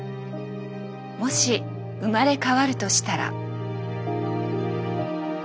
もし生まれ変わるとしたら？